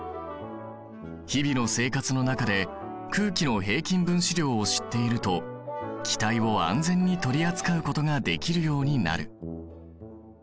日々の生活の中で空気の平均分子量を知っていると気体を安全に取り扱うことができるようになる。